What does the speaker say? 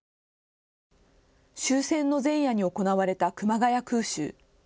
終戦の前夜に行われた熊谷空襲。